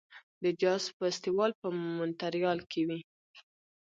د جاز فستیوال په مونټریال کې وي.